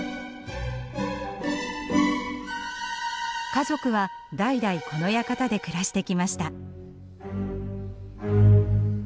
家族は代々この館で暮らしてきました。